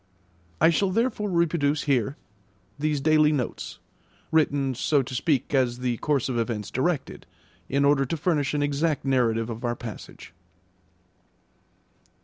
I shall therefore reproduce here these daily notes, written, so to speak, as the course of events directed, in order to furnish an exact narrative of our passage.